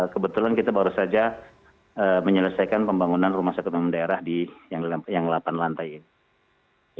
kebetulan kita baru saja menyelesaikan pembangunan rumah sakit umum daerah di yang delapan lantai ini